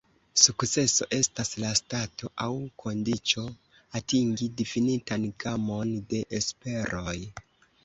Sukceso estas la stato aŭ kondiĉo atingi difinitan gamon de esperoj.